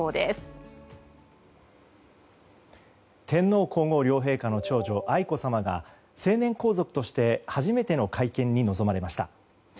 天皇・皇后両陛下の長女・愛子さまが成年皇族として初めての会見に臨まれました。